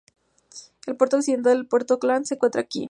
El puerto occidental de Puerto Klang se encuentra aquí.